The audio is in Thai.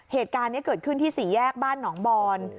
เหตุการณ์นี้เกิดขึ้นที่สี่แยกบ้านหนองบอน